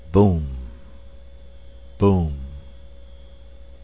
Boom.... Boom....